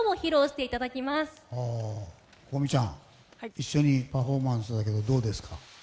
一緒にパフォーマンスだけどどうですか？